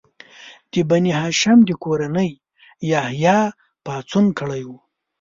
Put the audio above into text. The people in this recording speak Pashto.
د بني هاشم د کورنۍ یحیی پاڅون کړی و.